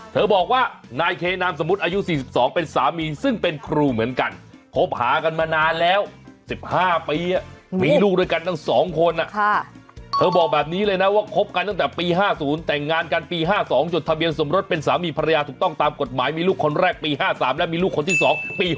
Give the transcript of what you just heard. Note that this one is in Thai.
เธอบอกแบบนี้เลยนะว่าครบกันตั้งแต่ปี๕๐แต่งงานกันปี๕๒จดทะเบียนสมรสเป็นสามีภรรยาถูกต้องตามกฎหมายมีลูกคนแรกปี๕๓และมีลูกคนที่๒ปี๖๐